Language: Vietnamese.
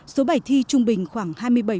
số bài thi trung bình khoảng hai mươi bảy